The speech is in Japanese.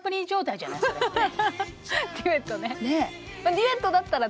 デュエットね。